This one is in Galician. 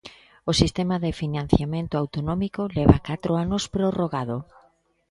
O sistema de financiamento autonómico leva catro anos prorrogado.